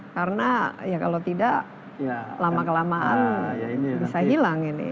karena ya kalau tidak lama kelamaan bisa hilang ini